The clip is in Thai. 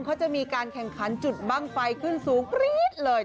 เขาจะมีการแข่งขันจุดบ้างไฟขึ้นสูงกรี๊ดเลย